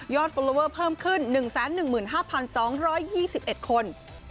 ฟอลลอเวอร์เพิ่มขึ้น๑๑๕๒๒๑คน